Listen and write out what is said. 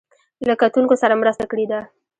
له کتونکو سره مرسته کړې ده.